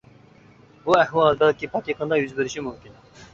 بۇ ئەھۋال بەلكى پات يېقىندا يۈز بېرىشى مۇمكىن.